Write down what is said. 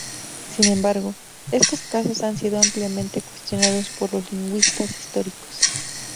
Sin embargo, estos casos han sido ampliamente cuestionados por los lingüistas históricos.